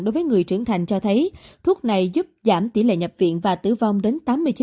đối với người trưởng thành cho thấy thuốc này giúp giảm tỷ lệ nhập viện và tử vong đến tám mươi chín